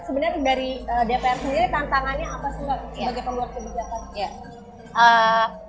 sebenarnya dari dpr sendiri tantangannya apa sih sebagai pembuat kebijakan